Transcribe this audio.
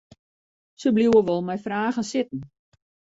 Se bliuwe wol mei fragen sitten.